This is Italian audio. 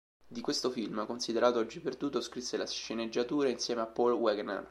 Di questo film, considerato oggi perduto, scrisse la sceneggiatura insieme a Paul Wegener.